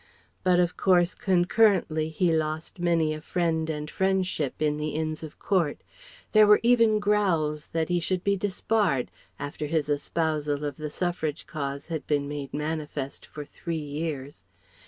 But of course concurrently he lost many a friend and friendship in the Inns of Court. There were even growls that he should be disbarred after this espousal of the Suffrage cause had been made manifest for three years.